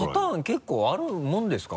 結構あるもんですか？